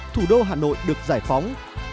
thủ đô hà nội được giải phóng